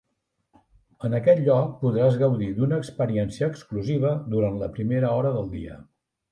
En aquest lloc podràs gaudir d'una experiència exclusiva durant la primera hora del dia.